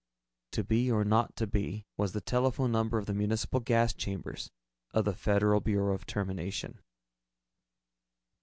"To be or not to be" was the telephone number of the municipal gas chambers of the Federal Bureau of Termination.